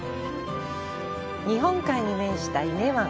日本海に面した伊根湾。